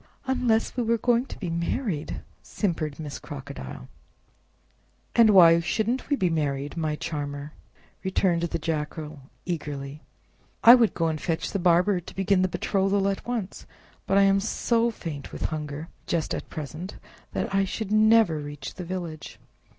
"Unless we were going to be married!" simpered Miss Crocodile. "And why shouldn't we be married, my charmer?" returned the Jackal eagerly. "I would go and fetch the barber to begin the betrothal at once, but I am so faint with hunger just at present that I should never reach the village.